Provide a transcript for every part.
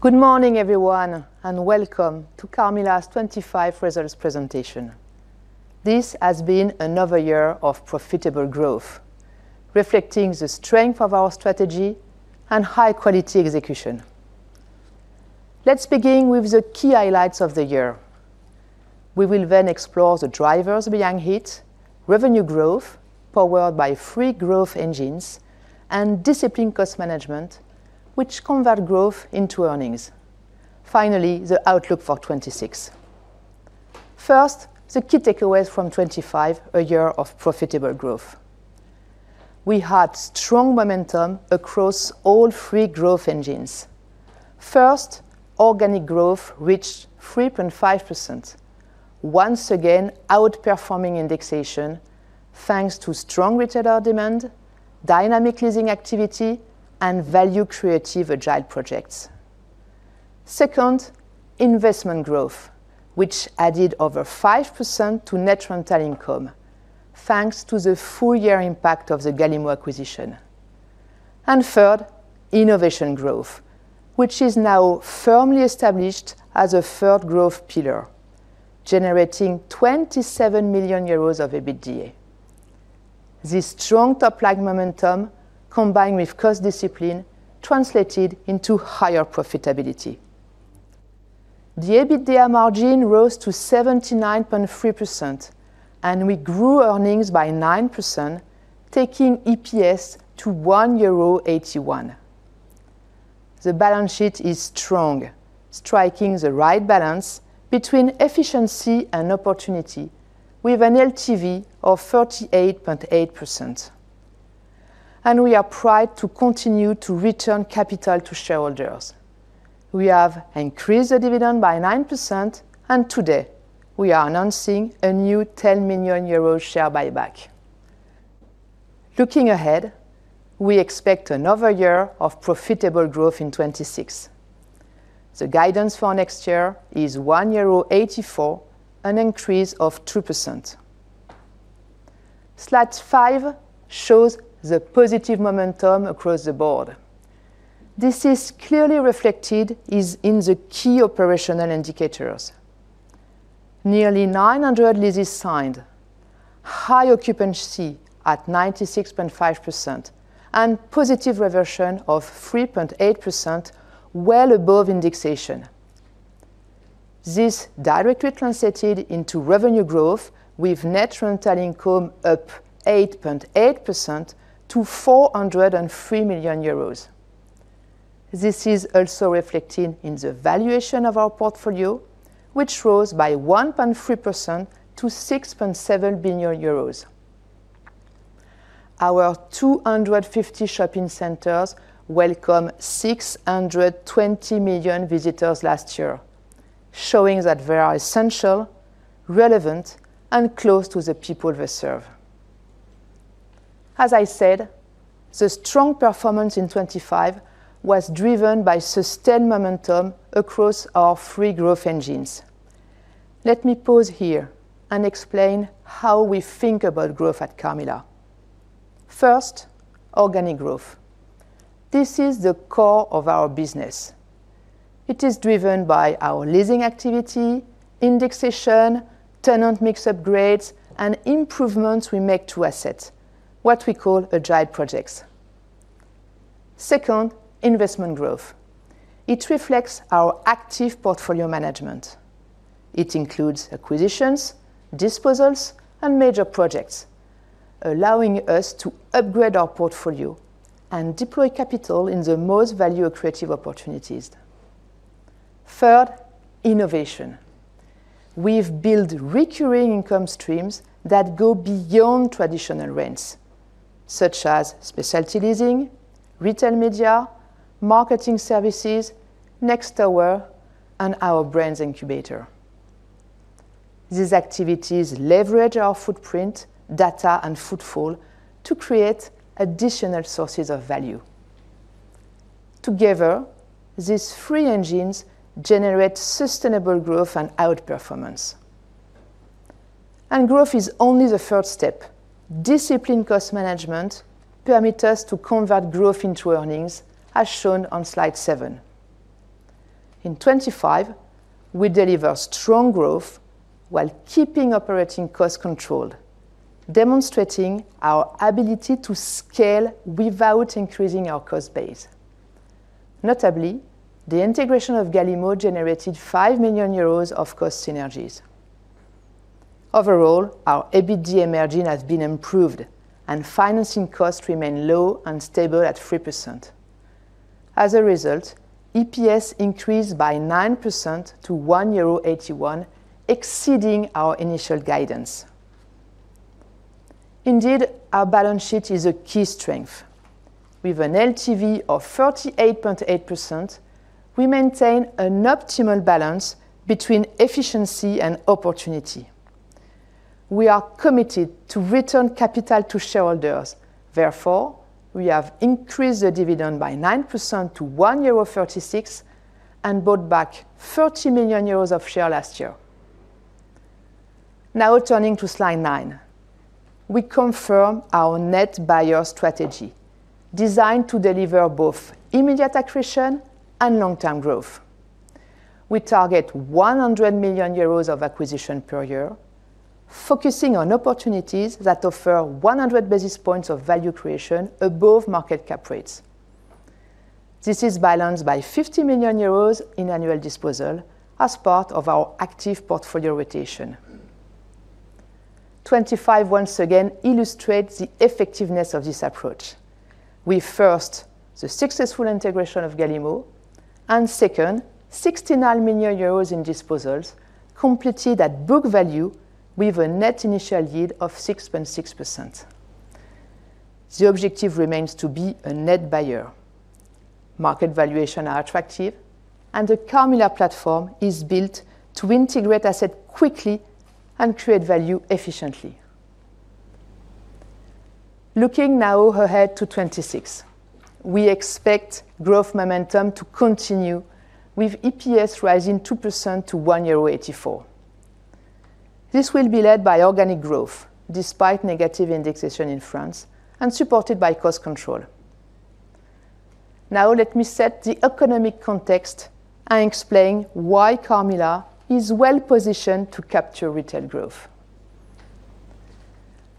Good morning, everyone, and welcome to Carmila's 2025 results presentation. This has been another year of profitable growth, reflecting the strength of our strategy and high-quality execution. Let's begin with the key highlights of the year. We will then explore the drivers behind it, revenue growth, powered by three growth engines, and disciplined cost management, which convert growth into earnings. Finally, the outlook for 2026. First, the key takeaways from 2025, a year of profitable growth. We had strong momentum across all three growth engines. First, organic growth reached 3.5%, once again, outperforming indexation, thanks to strong retailer demand, dynamic leasing activity, and value-creative agile projects. Second, investment growth, which added over 5% to net rental income, thanks to the full year impact of the Galimmo acquisition. Third, innovation growth, which is now firmly established as a third growth pillar, generating 27 million euros of EBITDA. This strong top-line momentum, combined with cost discipline, translated into higher profitability. The EBITDA margin rose to 79.3%, and we grew earnings by 9%, taking EPS to 1.81 euro. The balance sheet is strong, striking the right balance between efficiency and opportunity, with an LTV of 38.8%. And we are proud to continue to return capital to shareholders. We have increased the dividend by 9%, and today, we are announcing a new 10 million euro share buyback. Looking ahead, we expect another year of profitable growth in 2026. The guidance for next year is 1.84 euro, an increase of 2%. Slide 5 shows the positive momentum across the board. This is clearly reflected in the key operational indicators: nearly 900 leases signed, high occupancy at 96.5%, and positive reversion of 3.8%, well above indexation. This directly translated into revenue growth, with net rental income up 8.8% to 403 million euros. This is also reflected in the valuation of our portfolio, which rose by 1.3% to 6.7 billion euros. Our 250 shopping centers welcomed 620 million visitors last year, showing that they are essential, relevant, and close to the people they serve. As I said, the strong performance in 2025 was driven by sustained momentum across our three growth engines. Let me pause here and explain how we think about growth at Carmila. First, organic growth. This is the core of our business. It is driven by our leasing activity, indexation, tenant mix upgrades, and improvements we make to assets, what we call agile projects. Second, investment growth. It reflects our active portfolio management. It includes acquisitions, disposals, and major projects, allowing us to upgrade our portfolio and deploy capital in the most value creative opportunities. Third, innovation. We've built recurring income streams that go beyond traditional rents, such as specialty leasing, retail media, marketing services, Next Tower, and our brands incubator. These activities leverage our footprint, data, and footfall to create additional sources of value. Together, these three engines generate sustainable growth and outperformance. Growth is only the third step. Disciplined cost management permit us to convert growth into earnings, as shown on slide 7. In 2025, we delivered strong growth while keeping operating costs controlled, demonstrating our ability to scale without increasing our cost base. Notably, the integration of Galimmo generated 5 million euros of cost synergies. Overall, our EBITDA margin has been improved, and financing costs remain low and stable at 3%. As a result, EPS increased by 9% to 1.81 euro, exceeding our initial guidance. Indeed, our balance sheet is a key strength. With an LTV of 38.8%, we maintain an optimal balance between efficiency and opportunity. We are committed to return capital to shareholders. Therefore, we have increased the dividend by 9% to 1.36 euro and bought back 30 million euros of shares last year. Now turning to slide 9. We confirm our net buyer strategy, designed to deliver both immediate accretion and long-term growth. We target 100 million euros of acquisition per year, focusing on opportunities that offer 100 basis points of value creation above market cap rates. This is balanced by 50 million euros in annual disposal as part of our active portfolio rotation. 25, once again, illustrates the effectiveness of this approach. We first, the successful integration of Galimmo, and second, 69 million euros in disposals completed at book value with a net initial yield of 6.6%. The objective remains to be a net buyer. Market valuation are attractive, and the Carmila platform is built to integrate asset quickly and create value efficiently. Looking now ahead to 2026, we expect growth momentum to continue, with EPS rising 2% to 1.84 euro. This will be led by organic growth, despite negative indexation in France, and supported by cost control. Now, let me set the economic context and explain why Carmila is well positioned to capture retail growth.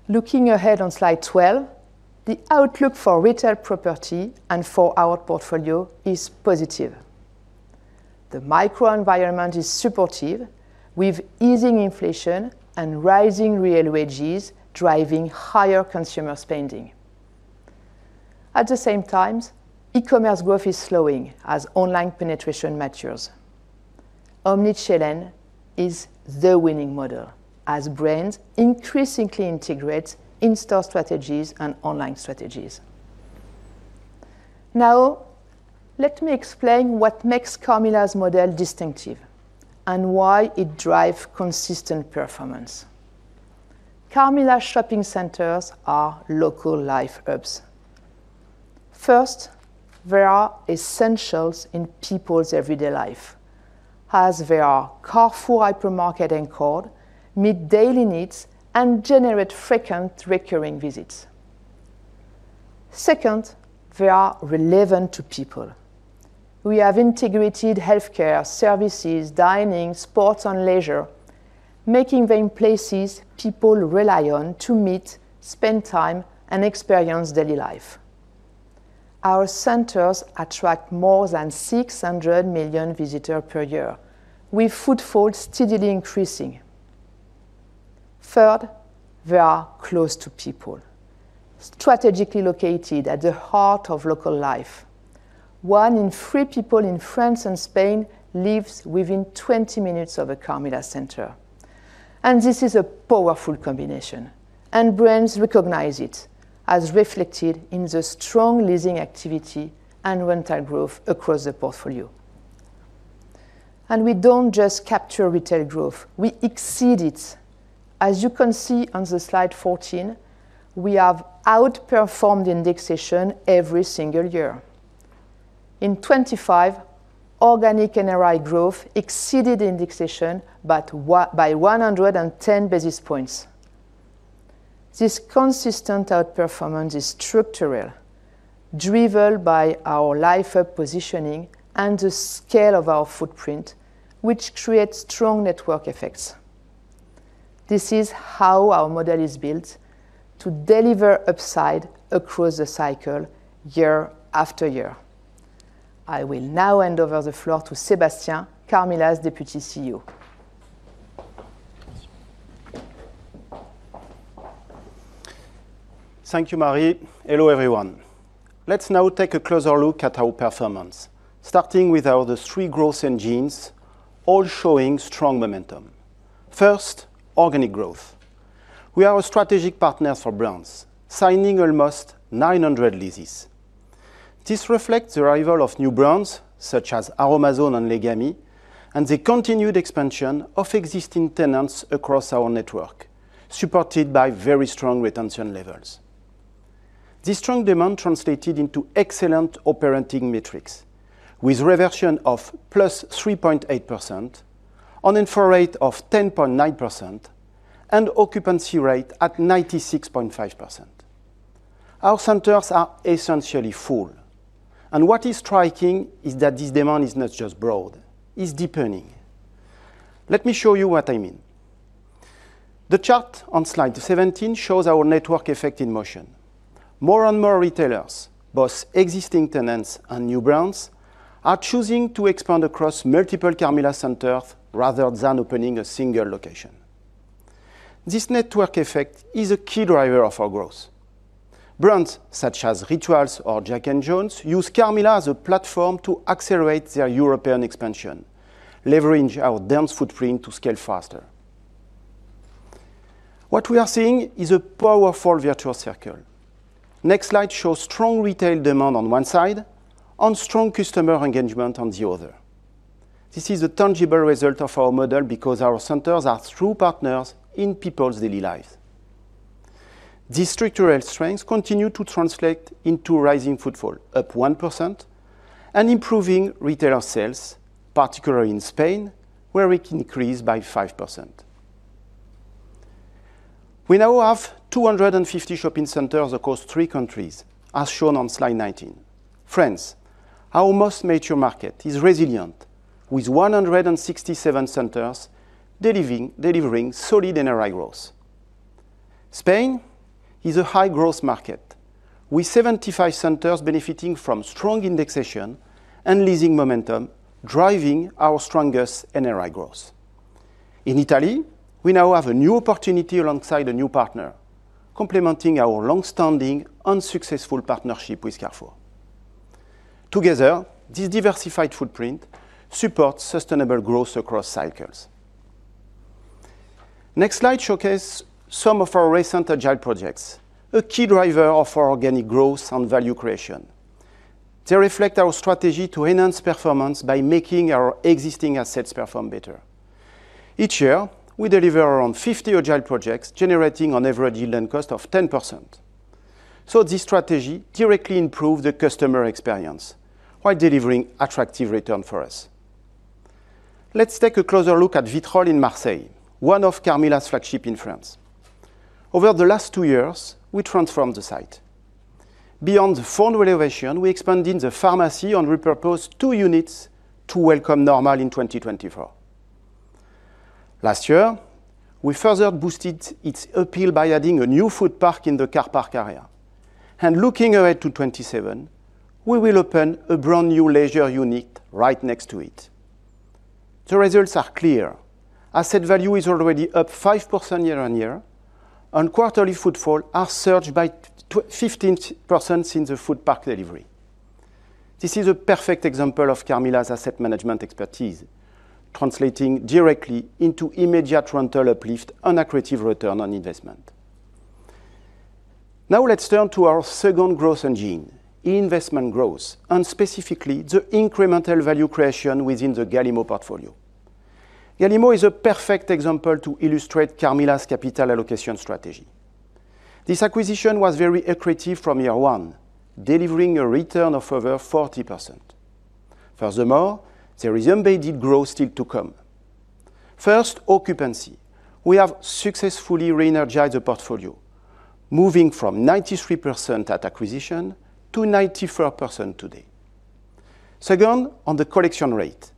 Looking ahead on slide 12, the outlook for retail property and for our portfolio is positive. The microenvironment is supportive, with easing inflation and rising real wages driving higher consumer spending. At the same time, e-commerce growth is slowing as online penetration matures. Omnichannel is the winning model as brands increasingly integrate in-store strategies and online strategies. Now, let me explain what makes Carmila's model distinctive and why it drive consistent performance. Carmila shopping centers are local life hubs. First, they are essentials in people's everyday life, as they are Carrefour hypermarket anchored, meet daily needs, and generate frequent recurring visits. Second, they are relevant to people. We have integrated healthcare services, dining, sports, and leisure, making them places people rely on to meet, spend time, and experience daily life. Our centers attract more than 600 million visitors per year, with footfall steadily increasing. Third, they are close to people, strategically located at the heart of local life. One in three people in France and Spain lives within 20 minutes of a Carmila center, and this is a powerful combination, and brands recognize it, as reflected in the strong leasing activity and rental growth across the portfolio. And we don't just capture retail growth, we exceed it. As you can see on the slide 14, we have outperformed indexation every single year. In 2025, organic NRI growth exceeded indexation by by one hundred and ten basis points. This consistent outperformance is structural, driven by our life hub positioning and the scale of our footprint, which creates strong network effects. This is how our model is built to deliver upside across the cycle, year after year. I will now hand over the floor to Sébastien, Carmila's Deputy CEO. Thank you, Marie. Hello, everyone. Let's now take a closer look at our performance, starting with our three growth engines, all showing strong momentum. First, organic growth. We are a strategic partner for brands, signing almost 900 leases. This reflects the arrival of new brands, such as Aroma-Zone and Legami, and the continued expansion of existing tenants across our network, supported by very strong retention levels. This strong demand translated into excellent operating metrics, with reversion of +3.8%, an infill rate of 10.9%, and occupancy rate at 96.5%. Our centers are essentially full, and what is striking is that this demand is not just broad, it's deepening. Let me show you what I mean. The chart on slide 17 shows our network effect in motion. More and more retailers, both existing tenants and new brands, are choosing to expand across multiple Carmila centers rather than opening a single location. This network effect is a key driver of our growth. Brands such as Rituals or JACK & JONES use Carmila as a platform to accelerate their European expansion, leveraging our dense footprint to scale faster. What we are seeing is a powerful virtual circle. Next slide shows strong retail demand on one side and strong customer engagement on the other. This is a tangible result of our model because our centers are true partners in people's daily lives... These structural strengths continue to translate into rising footfall, up 1%, and improving retailer sales, particularly in Spain, where it increased by 5%. We now have 250 shopping centers across three countries, as shown on slide 19. France, our most mature market, is resilient with 167 centers delivering solid NRI growth. Spain is a high-growth market, with 75 centers benefiting from strong indexation and leasing momentum, driving our strongest NRI growth. In Italy, we now have a new opportunity alongside a new partner, complementing our long-standing and successful partnership with Carrefour. Together, this diversified footprint supports sustainable growth across cycles. Next slide showcase some of our recent agile projects, a key driver of our organic growth and value creation. They reflect our strategy to enhance performance by making our existing assets perform better. Each year, we deliver around 50 agile projects, generating on average yield on cost of 10%. So this strategy directly improve the customer experience while delivering attractive return for us. Let's take a closer look at Vitrolles in Marseille, one of Carmila's flagship in France. Over the last two years, we transformed the site. Beyond the full renovation, we expanded the pharmacy and repurposed two units to welcome Normal in 2024. Last year, we further boosted its appeal by adding a new food park in the car park area. And looking ahead to 2027, we will open a brand-new leisure unit right next to it. The results are clear. Asset value is already up 5% year-on-year, and quarterly footfall has surged by 15% since the food park delivery. This is a perfect example of Carmila's asset management expertise, translating directly into immediate rental uplift and accretive return on investment. Now, let's turn to our second growth engine, investment growth, and specifically, the incremental value creation within the Galimmo portfolio. Galimmo is a perfect example to illustrate Carmila's capital allocation strategy. This acquisition was very accretive from year one, delivering a return of over 40%. Furthermore, there is embedded growth still to come. First, occupancy. We have successfully re-energized the portfolio, moving from 93% at acquisition to 94% today. Second, on the collection rate,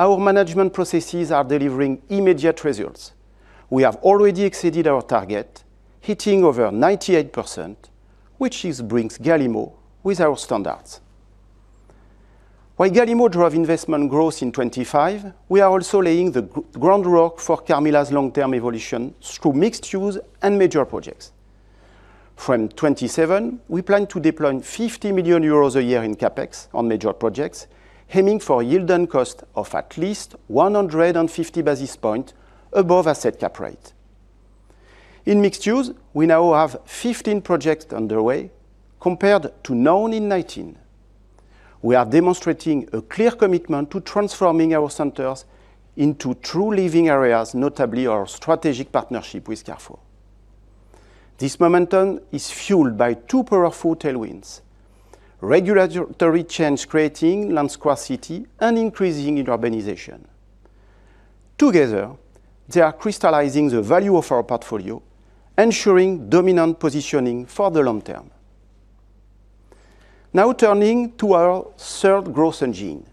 our management processes are delivering immediate results. We have already exceeded our target, hitting over 98%, which is brings Galimmo with our standards. While Galimmo drive investment growth in 2025, we are also laying the groundwork for Carmila's long-term evolution through mixed use and major projects. From 2027, we plan to deploy 50 million euros a year in CapEx on major projects, aiming for a yield on cost of at least 150 basis points above asset cap rate. In mixed use, we now have 15 projects underway compared to nine in 2019. We are demonstrating a clear commitment to transforming our centers into true living areas, notably our strategic partnership with Carrefour. This momentum is fueled by two powerful tailwinds: regulatory change, creating land scarcity, and increasing urbanization. Together, they are crystallizing the value of our portfolio, ensuring dominant positioning for the long term. Now, turning to our third growth engine.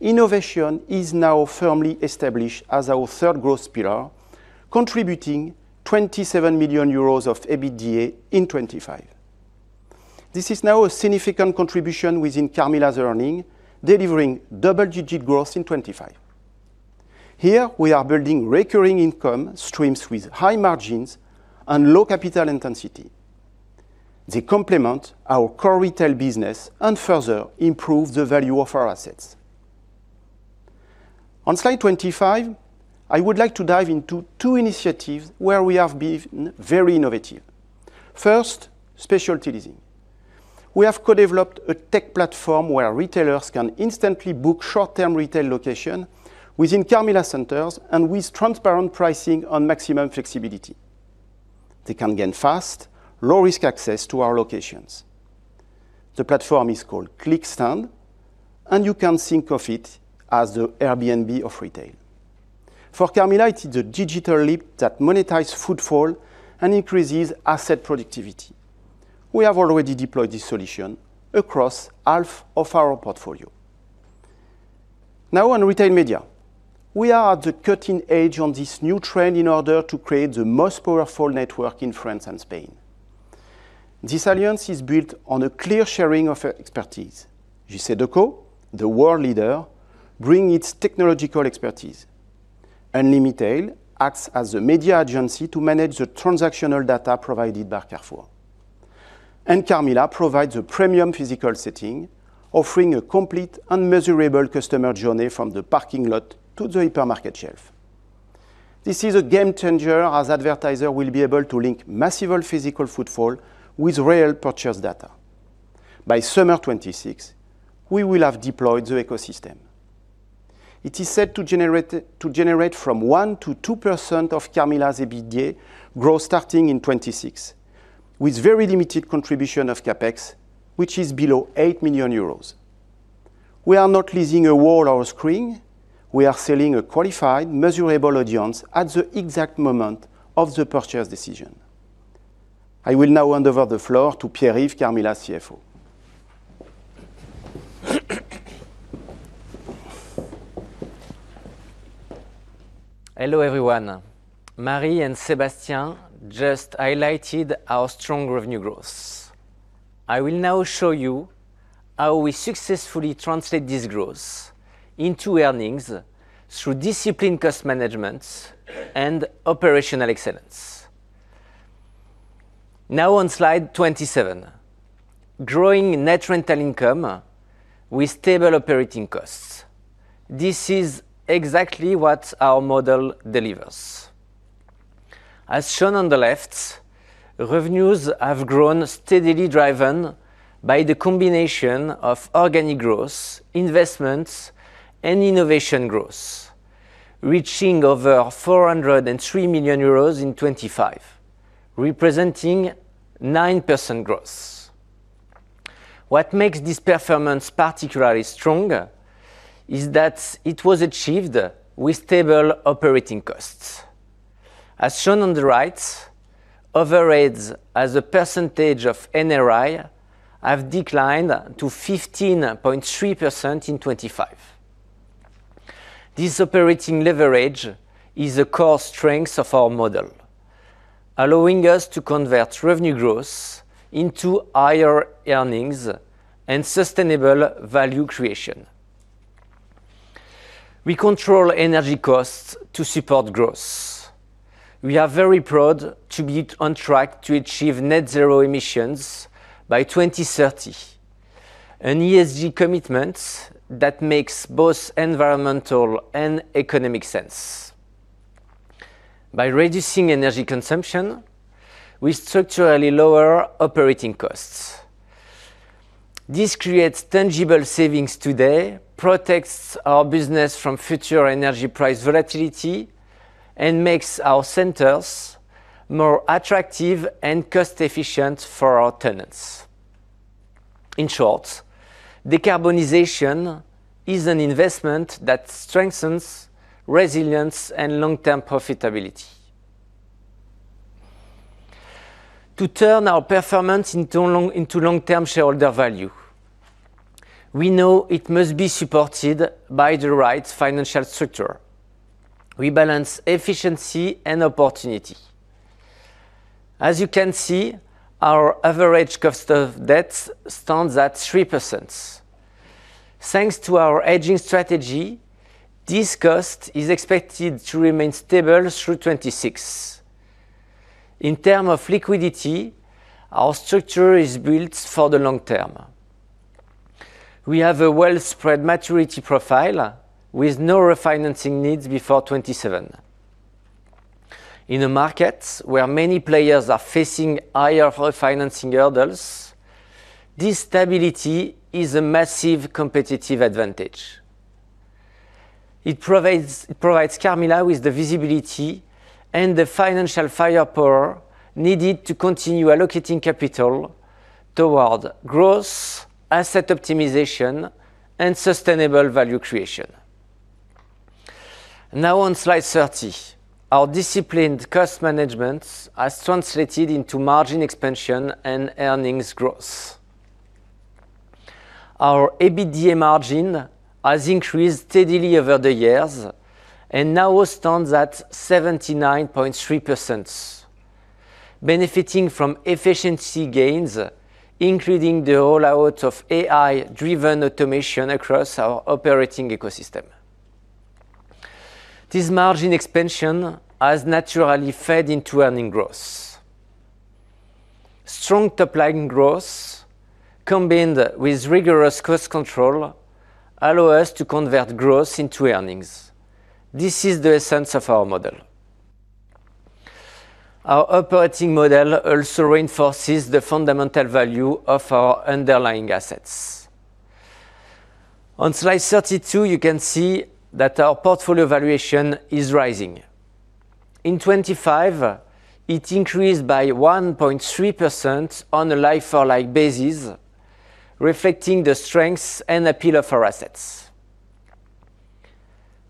Innovation is now firmly established as our third growth pillar, contributing 27 million euros of EBITDA in 2025. This is now a significant contribution within Carmila's earnings, delivering double-digit growth in 2025. Here, we are building recurring income streams with high margins and low capital intensity. They complement our core retail business and further improve the value of our assets. On slide 25, I would like to dive into two initiatives where we have been very innovative. First, specialty leasing. We have co-developed a tech platform where retailers can instantly book short-term retail location within Carmila centers and with transparent pricing and maximum flexibility. They can gain fast, low-risk access to our locations. The platform is called Clickstand, and you can think of it as the Airbnb of retail. For Carmila, it's a digital leap that monetizes footfall and increases asset productivity. We have already deployed this solution across half of our portfolio. Now, on retail media, we are at the cutting edge on this new trend in order to create the most powerful network in France and Spain. This alliance is built on a clear sharing of expertise. JCDecaux, the world leader, bring its technological expertise, Unlimitail acts as a media agency to manage the transactional data provided by Carrefour, and Carmila provides a premium physical setting, offering a complete and measurable customer journey from the parking lot to the hypermarket shelf. This is a game changer, as advertisers will be able to link massive physical footfall with real purchase data. By summer 2026, we will have deployed the ecosystem.... It is set to generate, to generate from 1%-2% of Carmila's EBITDA growth starting in 2026, with very limited contribution of CapEx, which is below 8 million euros. We are not leasing a wall or a screen, we are selling a qualified, measurable audience at the exact moment of the purchase decision. I will now hand over the floor to Pierre-Yves, Carmila's CFO. Hello, everyone. Marie and Sébastien just highlighted our strong revenue growth. I will now show you how we successfully translate this growth into earnings through disciplined cost management and operational excellence. Now on slide 27, growing net rental income with stable operating costs. This is exactly what our model delivers. As shown on the left, revenues have grown steadily, driven by the combination of organic growth, investments, and innovation growth, reaching over 403 million euros in 2025, representing 9% growth. What makes this performance particularly strong is that it was achieved with stable operating costs. As shown on the right, overheads as a percentage of NRI have declined to 15.3% in 2025. This operating leverage is a core strength of our model, allowing us to convert revenue growth into higher earnings and sustainable value creation. We control energy costs to support growth. We are very proud to be on track to achieve net zero emissions by 2030. An ESG commitment that makes both environmental and economic sense. By reducing energy consumption, we structurally lower operating costs. This creates tangible savings today, protects our business from future energy price volatility, and makes our centers more attractive and cost-efficient for our tenants. In short, decarbonization is an investment that strengthens resilience and long-term profitability. To turn our performance into long-term shareholder value, we know it must be supported by the right financial structure. We balance efficiency and opportunity. As you can see, our average cost of debt stands at 3%. Thanks to our hedging strategy, this cost is expected to remain stable through 2026. In terms of liquidity, our structure is built for the long term. We have a well-spread maturity profile with no refinancing needs before 2027. In a market where many players are facing higher refinancing hurdles, this stability is a massive competitive advantage. It provides Carmila with the visibility and the financial firepower needed to continue allocating capital toward growth, asset optimization, and sustainable value creation. Now on slide 30, our disciplined cost management has translated into margin expansion and earnings growth. Our EBITDA margin has increased steadily over the years and now stands at 79.3%, benefiting from efficiency gains, including the rollout of AI-driven automation across our operating ecosystem. This margin expansion has naturally fed into earning growth. Strong top-line growth, combined with rigorous cost control, allow us to convert growth into earnings. This is the essence of our model. Our operating model also reinforces the fundamental value of our underlying assets. On slide 32, you can see that our portfolio valuation is rising. In 25, it increased by 1.3% on a like-for-like basis, reflecting the strengths and appeal of our assets.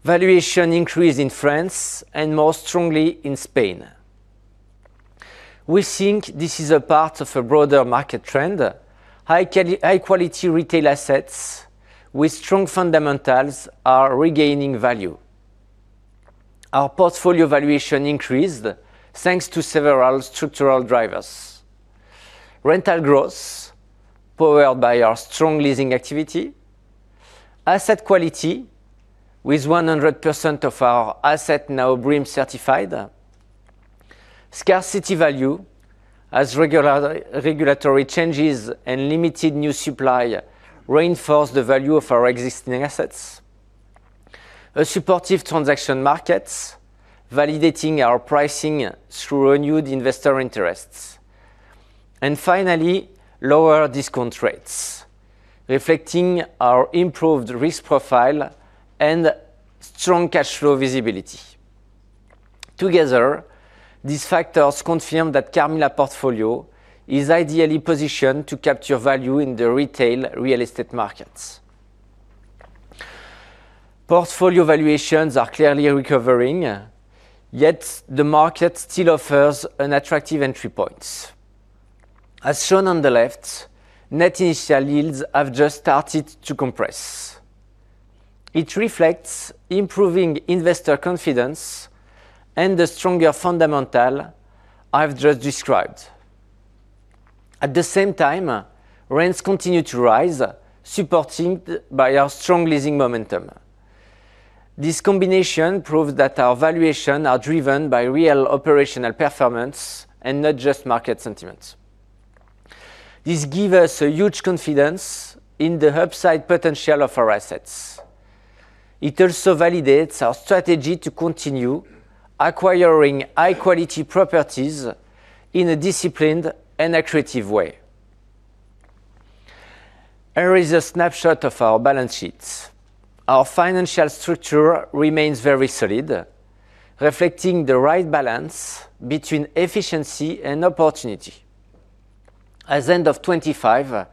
Valuation increased in France and more strongly in Spain. We think this is a part of a broader market trend. High-quality retail assets with strong fundamentals are regaining value. Our portfolio valuation increased, thanks to several structural drivers. Rental growth, powered by our strong leasing activity. Asset quality, with 100% of our assets now BREEAM certified. Scarcity value, as regulatory changes and limited new supply reinforce the value of our existing assets. A supportive transaction market, validating our pricing through renewed investor interests... and finally, lower discount rates, reflecting our improved risk profile and strong cash flow visibility. Together, these factors confirm that Carmila portfolio is ideally positioned to capture value in the retail real estate markets. Portfolio valuations are clearly recovering, yet the market still offers an attractive entry point. As shown on the left, net initial yields have just started to compress. It reflects improving investor confidence and the stronger fundamental I've just described. At the same time, rents continue to rise, supported by our strong leasing momentum. This combination proves that our valuations are driven by real operational performance and not just market sentiment. This gives us a huge confidence in the upside potential of our assets. It also validates our strategy to continue acquiring high-quality properties in a disciplined and accretive way. Here is a snapshot of our balance sheet. Our financial structure remains very solid, reflecting the right balance between efficiency and opportunity. As of end of 2025,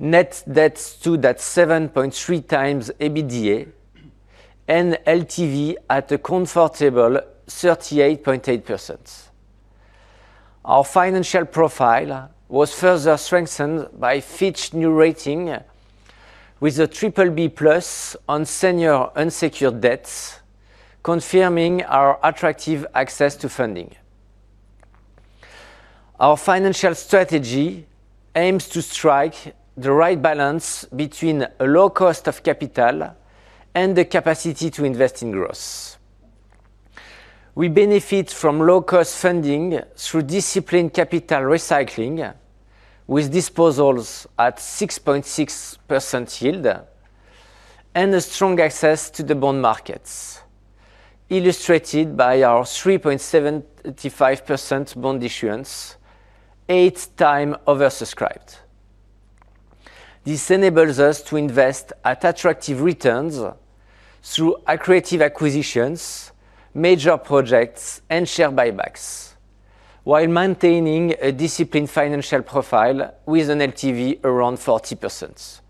net debt stood at 7.3x EBITDA and LTV at a comfortable 38.8%. Our financial profile was further strengthened by Fitch's new rating with a BBB+ on senior unsecured debts, confirming our attractive access to funding. Our financial strategy aims to strike the right balance between a low cost of capital and the capacity to invest in growth. We benefit from low-cost funding through disciplined capital recycling, with disposals at 6.6% yield and a strong access to the bond markets, illustrated by our 3.75% bond issuance, 8x oversubscribed. This enables us to invest at attractive returns through accretive acquisitions, major projects and share buybacks, while maintaining a disciplined financial profile with an LTV around 40%.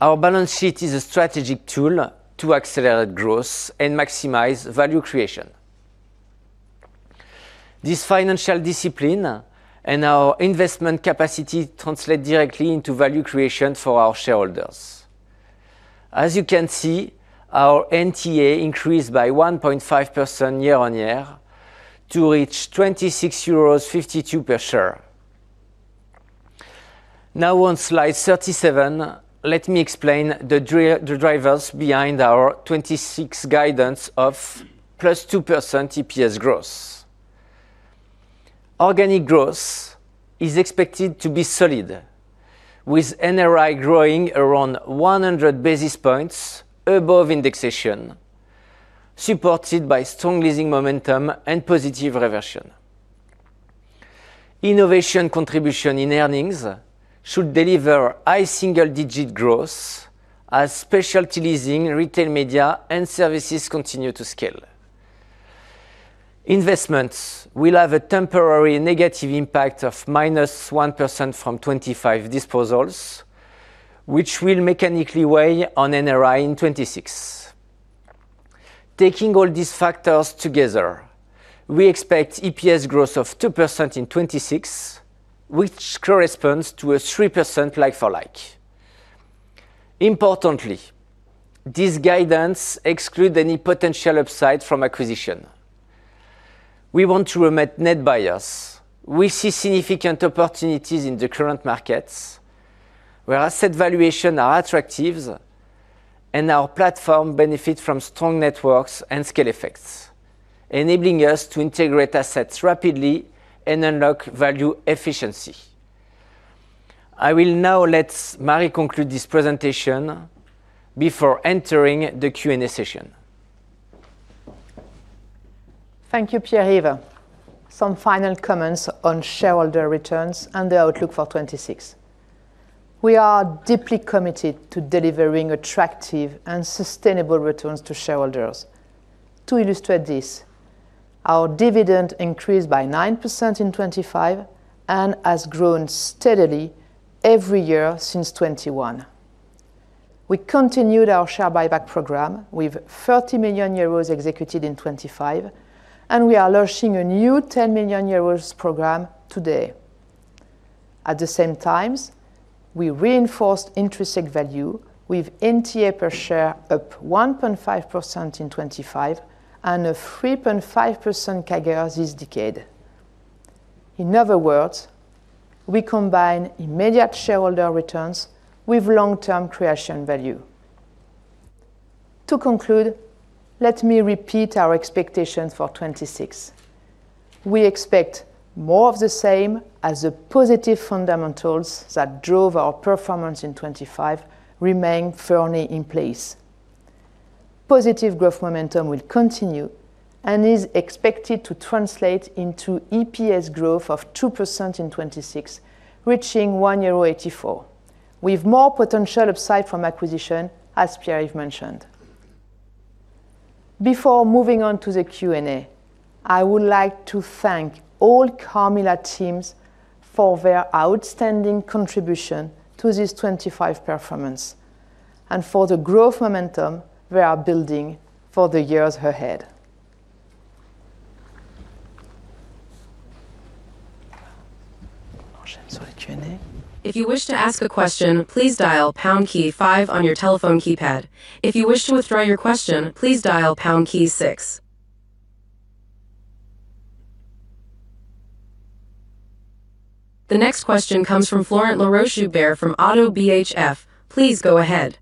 Our balance sheet is a strategic tool to accelerate growth and maximize value creation. This financial discipline and our investment capacity translate directly into value creation for our shareholders. As you can see, our NTA increased by 1.5% year-on-year to reach 26.52 euros per share. Now, on slide 37, let me explain the drivers behind our 2026 guidance of +2% EPS growth. Organic growth is expected to be solid, with NRI growing around 100 basis points above indexation, supported by strong leasing momentum and positive reversion. Innovation contribution in earnings should deliver high single-digit growth as specialty leasing, retail media, and services continue to scale. Investments will have a temporary negative impact of -1% from 2025 disposals, which will mechanically weigh on NRI in 2026. Taking all these factors together, we expect EPS growth of 2% in 2026, which corresponds to a 3% like-for-like. Importantly, this guidance exclude any potential upside from acquisition. We want to remain net buyers. We see significant opportunities in the current markets, where asset valuations are attractive and our platform benefits from strong networks and scale effects, enabling us to integrate assets rapidly and unlock value efficiency. I will now let Marie conclude this presentation before entering the Q&A session. Thank you, Pierre-Yves. Some final comments on shareholder returns and the outlook for 2026. We are deeply committed to delivering attractive and sustainable returns to shareholders. To illustrate this, our dividend increased by 9% in 2025 and has grown steadily every year since 2021. We continued our share buyback program with 30 million euros executed in 2025, and we are launching a new 10 million euros program today. At the same time, we reinforced intrinsic value with NTA per share up 1.5% in 2025 and a 3.5% CAGR this decade. In other words, we combine immediate shareholder returns with long-term creation value. To conclude, let me repeat our expectations for 2026. We expect more of the same as the positive fundamentals that drove our performance in 2025 remain firmly in place.... Positive growth momentum will continue, and is expected to translate into EPS growth of 2% in 2026, reaching 1.84 euro, with more potential upside from acquisition, as Pierre-Yves mentioned. Before moving on to the Q&A, I would like to thank all Carmila teams for their outstanding contribution to this 2025 performance, and for the growth momentum we are building for the years ahead. If you wish to ask a question, please dial pound key five on your telephone keypad. If you wish to withdraw your question, please dial pound key six. The next question comes from Florent Laroche-Joubert from Oddo BHF. Please go ahead.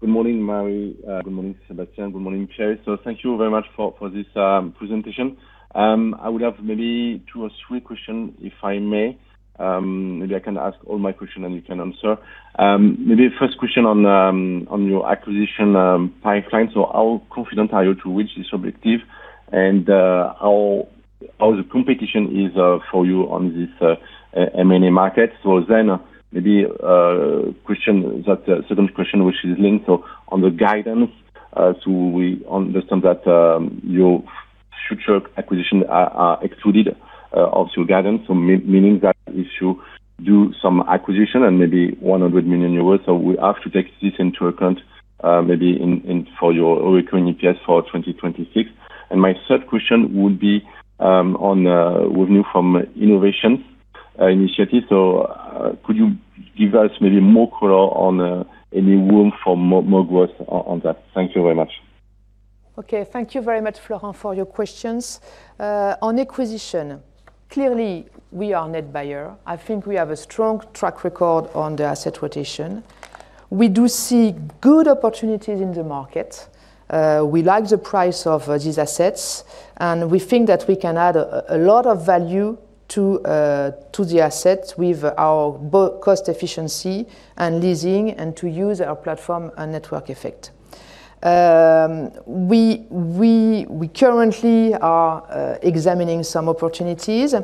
Good morning, Marie. Good morning, Sebastian. Good morning, Pierre. Thank you very much for this presentation. I would have maybe two or three questions, if I may. Maybe I can ask all my questions, and you can answer. Maybe first question on your acquisition pipeline. How confident are you to reach this objective, and how the competition is for you on this M&A market? Then, maybe, question that, second question, which is linked, on the guidance. We understand that your future acquisitions are excluded of your guidance, meaning that if you do some acquisition and maybe 100 million euros, we have to take this into account, maybe in, in for your recurring EPS for 2026. My third question would be on revenue from innovation initiative. So, could you give us maybe more color on any room for more growth on that? Thank you very much. Okay, thank you very much, Florent, for your questions. On acquisition, clearly, we are net buyer. I think we have a strong track record on the asset rotation. We do see good opportunities in the market. We like the price of these assets, and we think that we can add a lot of value to the assets with our both cost efficiency and leasing, and to use our platform and network effect. We currently are examining some opportunities.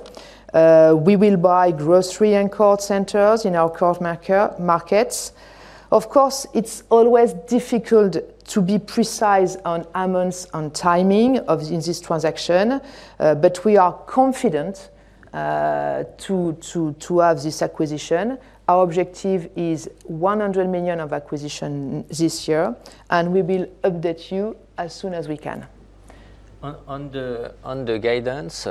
We will buy grocery-anchored centers in our core markets. Of course, it's always difficult to be precise on amounts and timing of this transaction, but we are confident to have this acquisition. Our objective is 100 million of acquisitions this year, and we will update you as soon as we can. On the guidance,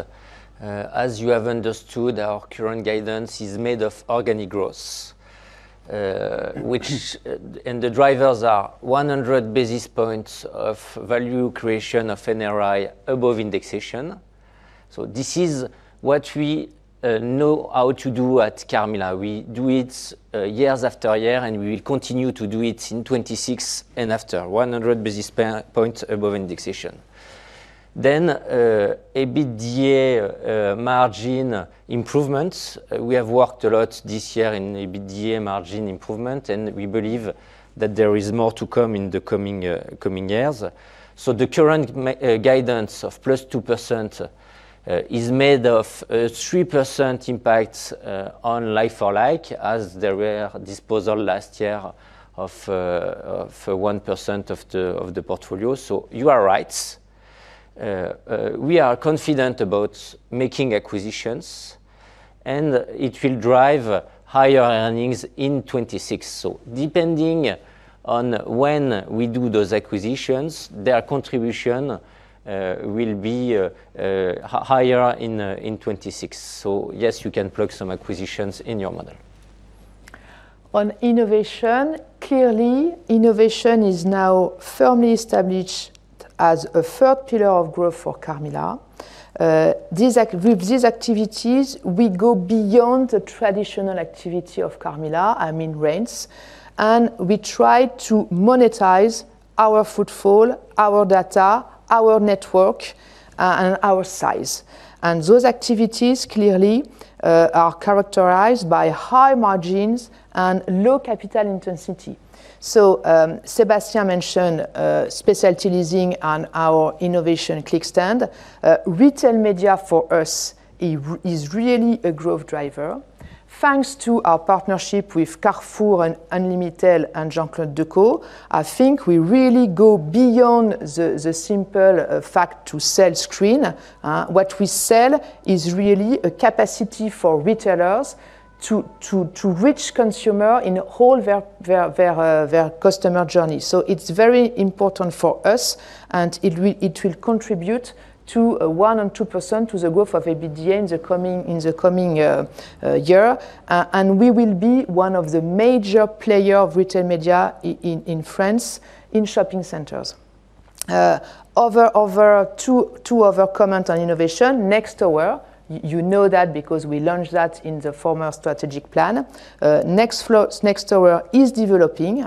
as you have understood, our current guidance is made of organic growth, and the drivers are 100 basis points of value creation of NRI above indexation. So this is what we know how to do at Carmila. We do it years after year, and we will continue to do it in 2026 and after, 100 basis points above indexation. Then, EBITDA margin improvements. We have worked a lot this year in EBITDA margin improvement, and we believe that there is more to come in the coming years. So the current guidance of +2% is made of 3% impact on like-for-like, as there were disposal last year of for 1% of the portfolio. So you are right. We are confident about making acquisitions, and it will drive higher earnings in 2026. So depending on when we do those acquisitions, their contribution will be higher in 2026. So yes, you can plug some acquisitions in your model. On innovation, clearly, innovation is now firmly established as a third pillar of growth for Carmila. With these activities, we go beyond the traditional activity of Carmila, I mean, rents, and we try to monetize our footfall, our data, our network, and our size. And those activities clearly are characterized by high margins and low capital intensity. So, Sebastian mentioned specialty leasing and our innovation, Clickstand. Retail media for us is really a growth driver. Thanks to our partnership with Carrefour and Unlimitail and JCDecaux, I think we really go beyond the simple fact to sell screen. What we sell is really a capacity for retailers to reach consumer in all their customer journey. So it's very important for us, and it will, it will contribute to 1%-2% to the growth of EBITDA in the coming, in the coming year. And we will be one of the major player of retail media in France, in shopping centers.... Other two other comment on innovation, Next Tower. You know that because we launched that in the former strategic plan. Next Tower is developing,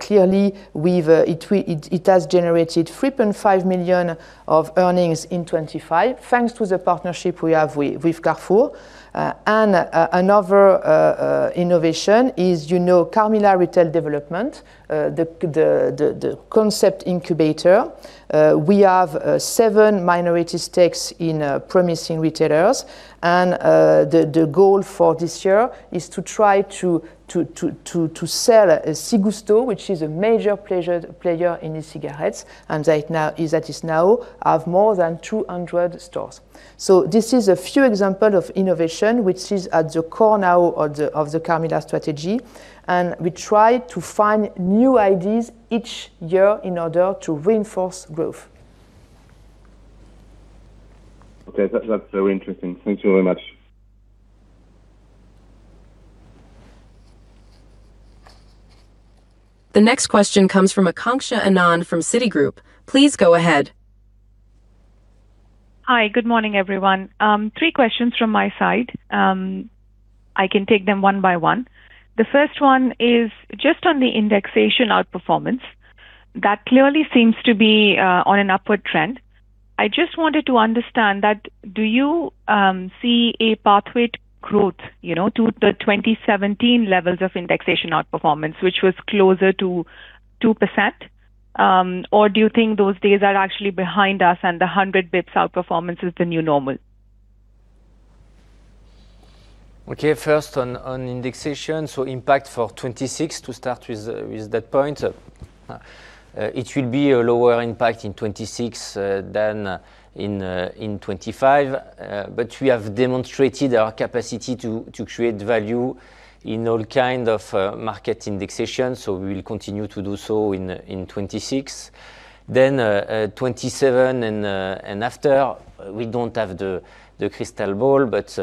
clearly, it has generated 3.5 million of earnings in 2025, thanks to the partnership we have with Carrefour. And another innovation is, you know, Carmila Retail Development, the concept incubator. We have 7 minority stakes in promising retailers. And the goal for this year is to try to sell Cigusto, which is a major player in e-cigarettes, and right now, it now has more than 200 stores. So this is a few examples of innovation, which is at the core now of the Carmila strategy, and we try to find new ideas each year in order to reinforce growth. Okay. That, that's very interesting. Thank you very much. The next question comes from Aakanksha Anand from Citigroup. Please go ahead. Hi. Good morning, everyone. Three questions from my side. I can take them one by one. The first one is just on the indexation outperformance. That clearly seems to be on an upward trend. I just wanted to understand that do you see a pathway to growth, you know, to the 2017 levels of indexation outperformance, which was closer to 2%? Or do you think those days are actually behind us, and the 100 basis points outperformance is the new normal? Okay, first on indexation, so impact for 2026, to start with, with that point. It will be a lower impact in 2026 than in 2025. But we have demonstrated our capacity to create value in all kind of market indexation, so we will continue to do so in 2026. Then, 2027 and after, we don't have the crystal ball, but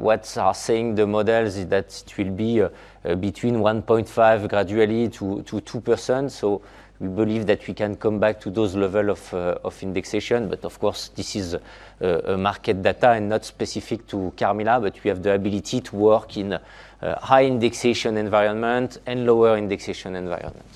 what are saying the models is that it will be between 1.5 gradually to 2%. So we believe that we can come back to those level of indexation. But of course, this is a market data and not specific to Carmila, but we have the ability to work in a high indexation environment and lower indexation environment.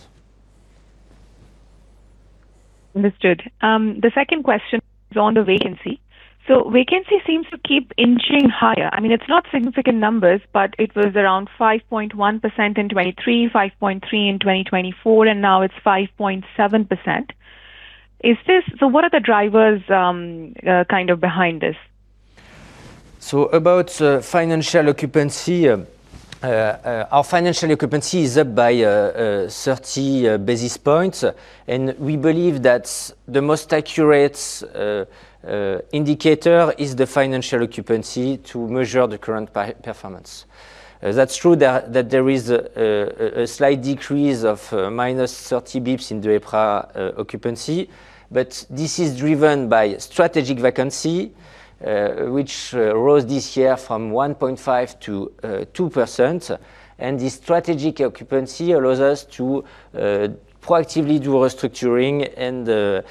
Understood. The second question is on the vacancy. So vacancy seems to keep inching higher. I mean, it's not significant numbers, but it was around 5.1% in 2023, 5.3% in 2024, and now it's 5.7%. Is this, so what are the drivers, kind of behind this? So about financial occupancy, our financial occupancy is up by 30 basis points, and we believe that the most accurate indicator is the financial occupancy to measure the current performance. That's true that there is a slight decrease of minus 30 basis points in the EPRA occupancy, but this is driven by strategic vacancy, which rose this year from 1.5% to 2%. This strategic occupancy allows us to proactively do restructuring and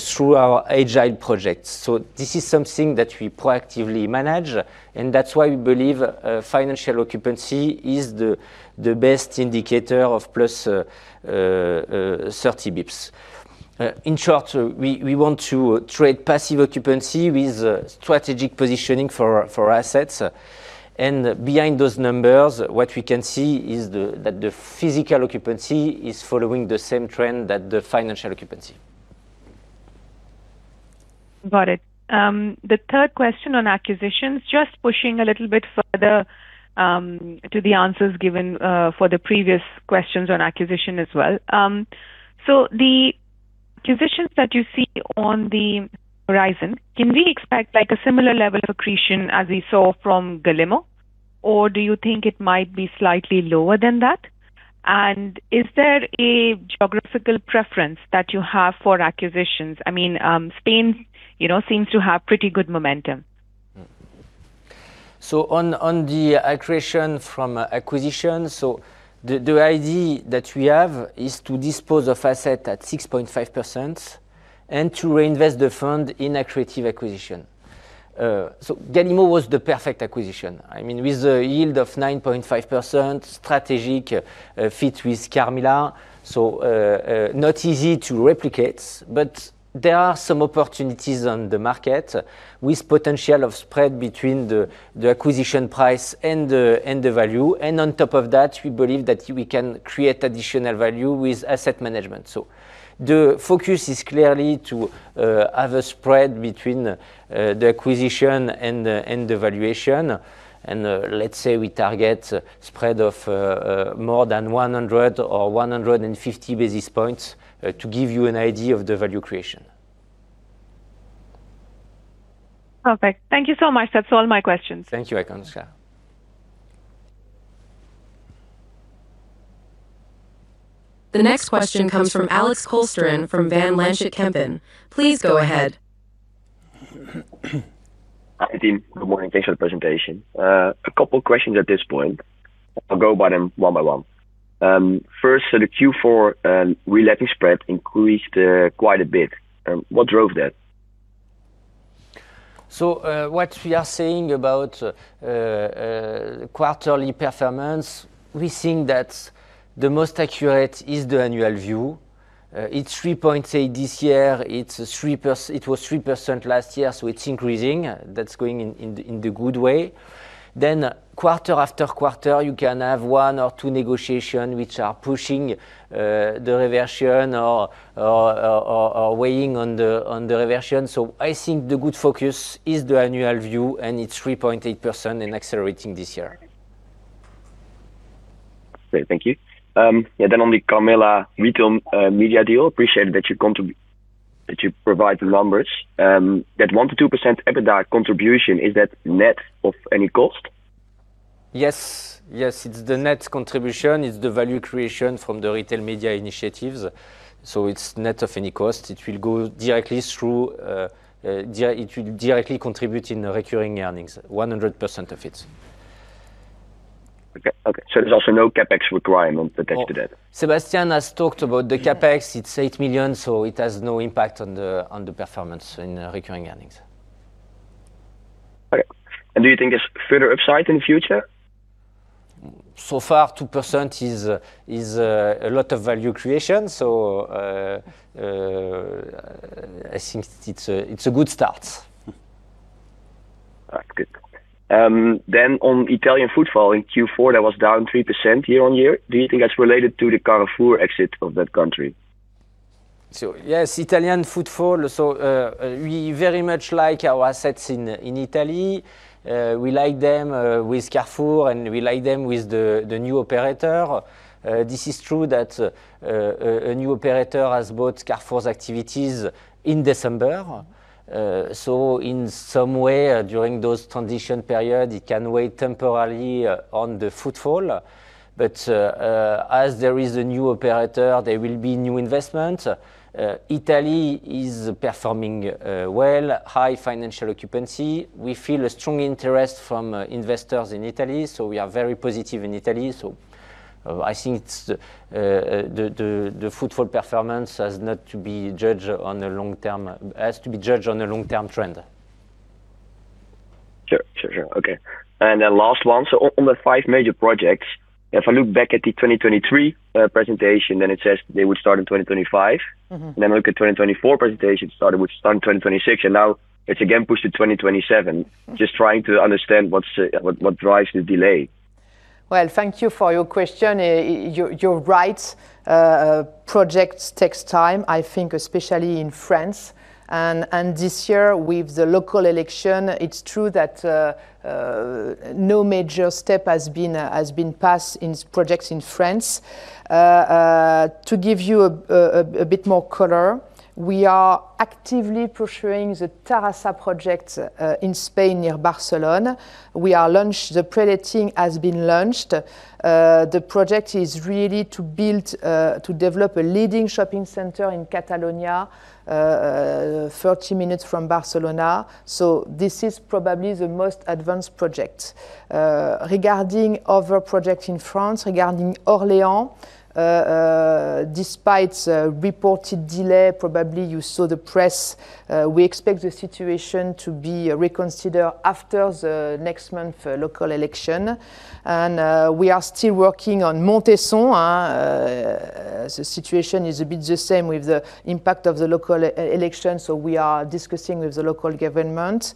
through our agile projects. This is something that we proactively manage, and that's why we believe financial occupancy is the best indicator of plus 30 basis points. In short, we want to trade passive occupancy with strategic positioning for assets. Behind those numbers, what we can see is that the physical occupancy is following the same trend that the financial occupancy. Got it. The third question on acquisitions, just pushing a little bit further, to the answers given, for the previous questions on acquisition as well. So the acquisitions that you see on the horizon, can we expect like a similar level of accretion as we saw from Galimmo? Or do you think it might be slightly lower than that? And is there a geographical preference that you have for acquisitions? I mean, Spain, you know, seems to have pretty good momentum. So, on the accretion from acquisition, the idea that we have is to dispose of asset at 6.5% and to reinvest the fund in accretive acquisition. So Galimmo was the perfect acquisition. I mean, with a yield of 9.5%, strategic fit with Carmila, not easy to replicate, but there are some opportunities on the market with potential of spread between the acquisition price and the value. And on top of that, we believe that we can create additional value with asset management. So the focus is clearly to have a spread between the acquisition and the valuation. And let's say we target a spread of more than 100 or 150 basis points to give you an idea of the value creation. Perfect. Thank you so much. That's all my questions. Thank you, Aakanksha. The next question comes from Alex Kolsteren from Van Lanschot Kempen. Please go ahead. Hi, team. Good morning. Thanks for the presentation. A couple questions at this point. I'll go by them one by one. First, so the Q4 reletting spread increased quite a bit. What drove that? So, what we are saying about quarterly performance, we think that the most accurate is the annual view. It's 3.8 this year, it was 3% last year, so it's increasing. That's going in the good way. Then quarter after quarter, you can have one or two negotiation, which are pushing the reversion or weighing on the reversion. So I think the good focus is the annual view, and it's 3.8% and accelerating this year. Okay, thank you. Yeah, then on the Carmila retail media deal, appreciate that you provide the numbers. That 1%-2% EBITDA contribution, is that net of any cost? Yes. Yes, it's the net contribution, it's the value creation from the retail media initiatives, so it's net of any cost. It will go directly through, it will directly contribute in the recurring earnings, 100% of it. Okay, okay. So there's also no CapEx requirement attached to that? Sebastian has talked about the CapEx. Yeah. It's 8 million, so it has no impact on the performance in recurring earnings. Okay. Do you think there's further upside in the future? So far, 2% is a lot of value creation, so I think it's a good start. All right, good. Then on Italian footfall in Q4, that was down 3% year-on-year. Do you think that's related to the Carrefour exit of that country? So, yes, Italian footfall. So, we very much like our assets in Italy. We like them with Carrefour, and we like them with the new operator. This is true that a new operator has bought Carrefour's activities in December. So in some way, during those transition period, it can wait temporarily on the footfall. But as there is a new operator, there will be new investment. Italy is performing well, high financial occupancy. We feel a strong interest from investors in Italy, so we are very positive in Italy. So I think it's the footfall performance has not to be judged on the long term—has to be judged on the long-term trend. Sure, sure, sure. Okay. And then last one. So on the five major projects, if I look back at the 2023 presentation, then it says they would start in 2025. Mm-hmm. And then look at 2024 presentation started, which start in 2026, and now it's again pushed to 2027. Mm-hmm. Just trying to understand what's what drives the delay? Well, thank you for your question. You're right. Projects takes time, I think, especially in France. And this year with the local election, it's true that no major step has been passed in projects in France. To give you a bit more color, we are actively pursuing the Terrassa project in Spain, near Barcelona. We are launched, the pre-letting has been launched. The project is really to build to develop a leading shopping center in Catalonia, 30 minutes from Barcelona. So this is probably the most advanced project. Regarding other project in France, regarding Orléans, despite a reported delay, probably you saw the press, we expect the situation to be reconsidered after the next month local election. We are still working on Montesson, the situation is a bit the same with the impact of the local election, so we are discussing with the local government.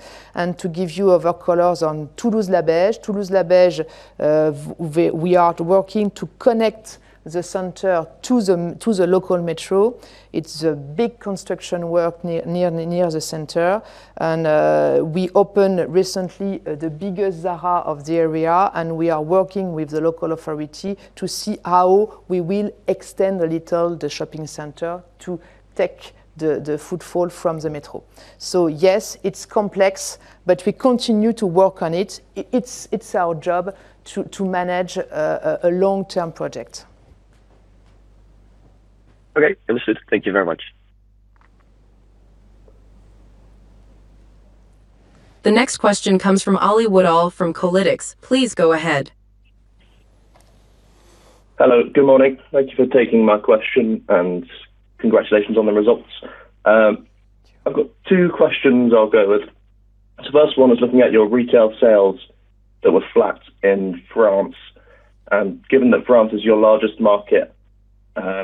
To give you other colors on Toulouse Labège. Toulouse Labège, we are working to connect the center to the local metro. It's a big construction work near the center. We opened recently the biggest Zara of the area, and we are working with the local authority to see how we will extend a little the shopping center to take the footfall from the metro. So yes, it's complex, but we continue to work on it. It's our job to manage a long-term project. Okay, that was it. Thank you very much. The next question comes from Oli Woodall from Kolytics. Please go ahead. Hello, good morning. Thank you for taking my question, and congratulations on the results. I've got two questions I'll go with. So first one is looking at your retail sales that were flat in France, and given that France is your largest market, how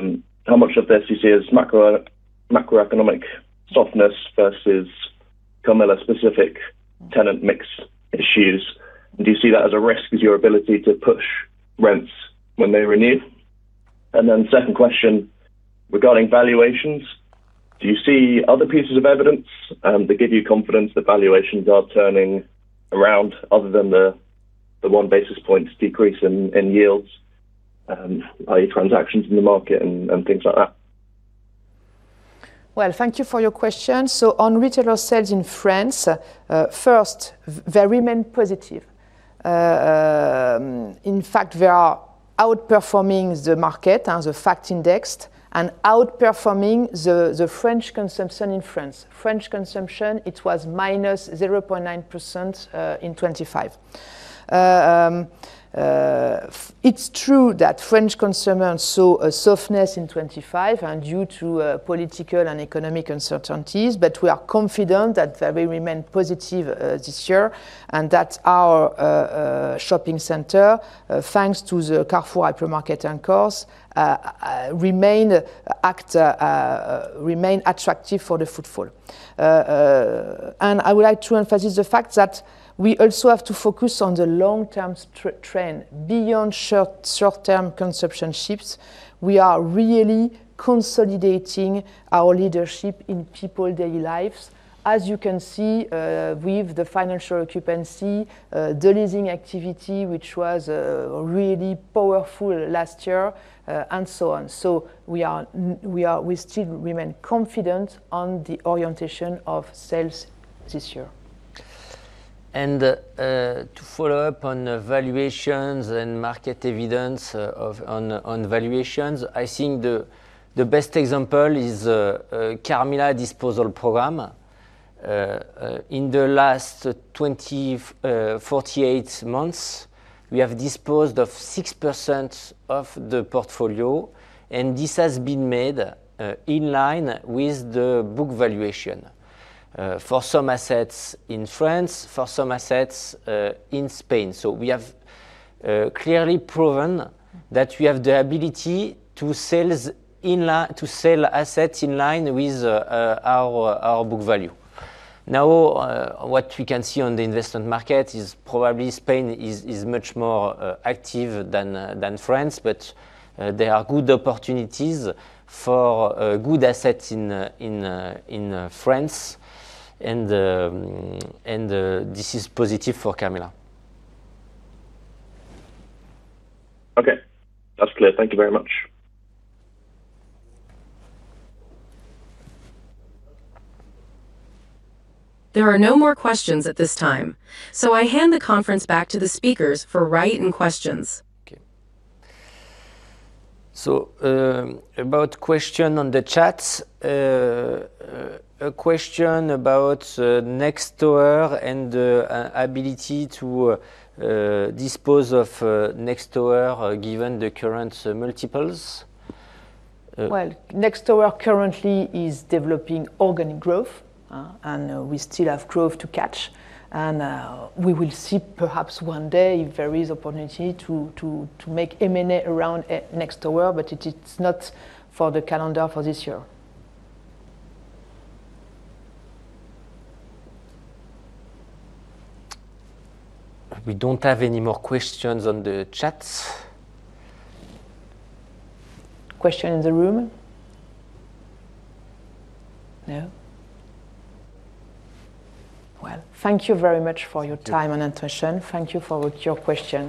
much of this is you see as macro, macroeconomic softness versus Carmila-specific tenant mix issues? And do you see that as a risk as your ability to push rents when they renew? And then second question, regarding valuations, do you see other pieces of evidence that give you confidence that valuations are turning around other than the one basis points decrease in yields, i.e., transactions in the market and things like that? Well, thank you for your question. So on retailer sales in France, first, they remain positive. In fact, they are outperforming the market and the fact indexed and outperforming the French consumption in France. French consumption, it was -0.9%, in 2025. It's true that French consumers saw a softness in 2025 and due to political and economic uncertainties, but we are confident that they will remain positive this year, and that our shopping center, thanks to the Carrefour hypermarket anchors, remain attractive for the footfall. And I would like to emphasize the fact that we also have to focus on the long-term trend. Beyond short-term consumption shifts, we are really consolidating our leadership in people's daily lives. As you can see, with the financial occupancy, the leasing activity, which was really powerful last year, and so on. So we still remain confident on the orientation of sales this year. To follow up on the valuations and market evidence on valuations, I think the best example is the Carmila disposal program. In the last 48 months, we have disposed of 6% of the portfolio, and this has been made in line with the book valuation for some assets in France, for some assets in Spain. We have clearly proven that we have the ability to sell assets in line with our book value. Now, what we can see on the investment market is probably Spain is much more active than France, but there are good opportunities for good assets in France, and this is positive for Carmila. Okay, that's clear. Thank you very much. There are no more questions at this time, so I hand the conference back to the speakers for written questions. Okay. So, a question about Next Tower and the ability to dispose of Next Tower given the current multiples. Well, Next Tower currently is developing organic growth, and we still have growth to catch. And we will see perhaps one day if there is opportunity to make M&A around Next Tower, but it is not for the calendar for this year. We don't have any more questions on the chat. Question in the room? No. Well, thank you very much for your time and attention. Thank you for your questions.